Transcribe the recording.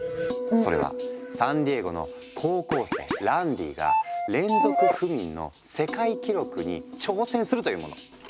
それはサンディエゴの高校生ランディが連続不眠の世界記録に挑戦するというもの。